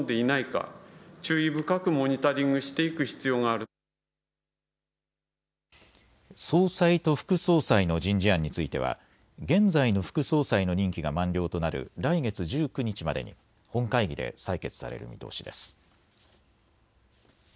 また前金融庁長官の氷見野良三氏は。総裁と副総裁の人事案については現在の副総裁の任期が満了となる来月１９日までに本会議で採決される見通しです。